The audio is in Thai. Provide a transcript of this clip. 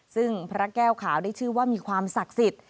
ซึ่งพระแก้วขาวได้ชื่อว่ามีความศักดิ์สิทธิ์